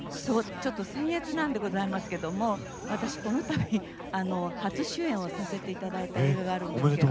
ちょっとせん越なんでございますけども私この度初主演をさせていただいた映画があるんですけど。